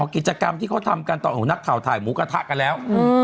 กิจกรรมที่เขาทำกันตอนของนักข่าวถ่ายหมูกระทะกันแล้ว